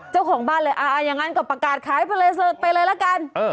เจ้าของบ้านเลยอย่างนั้นก็ประกาศขายไปเลยละกัน